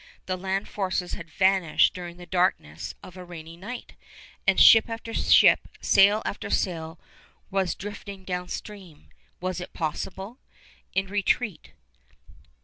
The land forces had vanished during the darkness of a rainy night, and ship after ship, sail after sail, was drifting downstream was it possible? in retreat.